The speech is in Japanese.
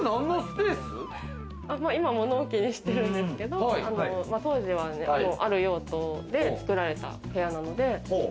今は物置にしてるんですけど、当時はある用途で作られた部屋なので。